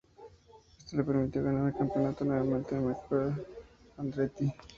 Eso le permitió ganar el campeonato nuevamente ante Michael Andretti.